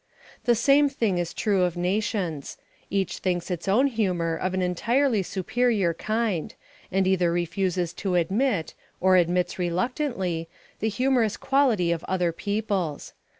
The same thing is true of nations. Each thinks its own humour of an entirely superior kind, and either refuses to admit, or admits reluctantly, the humorous quality of other peoples.